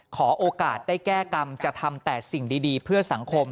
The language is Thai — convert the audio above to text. ขอโอกาสได้แก้กรรมจะทำแต่สิ่งดีเพื่อสังคม